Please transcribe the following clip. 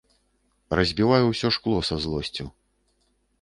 Разбіваю ўсё шкло са злосцю.